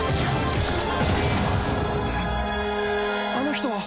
あの人は！